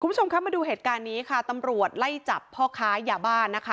คุณผู้ชมคะมาดูเหตุการณ์นี้ค่ะตำรวจไล่จับพ่อค้ายาบ้านนะคะ